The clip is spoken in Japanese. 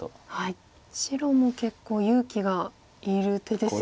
白も結構勇気がいる手ですよね。